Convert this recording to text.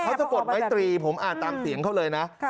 จะกดไม้ตรีผมอ่านตามเสียงเขาเลยนะ